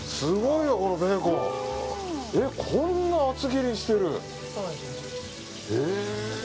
こんな厚切りにしてる！